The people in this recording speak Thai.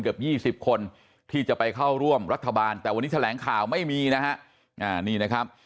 เกือบ๒๐คนที่จะไปเข้าร่วมรัฐบาลแต่วันนี้แถลงข่าวไม่มีนะฮะนี่นะครับ